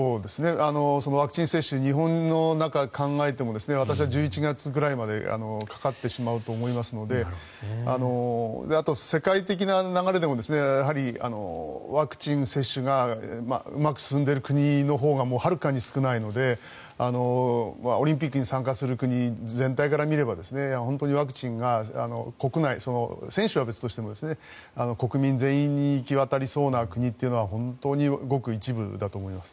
ワクチン接種日本の中を考えても私は１１月くらいまでかかってしまうと思いますのであと世界的な流れでもワクチン接種がうまく進んでいる国のほうがはるかに少ないのでオリンピックに参加する国全体から見れば本当にワクチンが国内、選手は別としても国民全員に行き渡りそうな国というのは本当にごく一部だと思います。